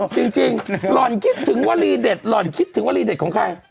หล่อนคิดถึงวลีเด็ดหล่อนคิดถึงวลีเด็ดของใคร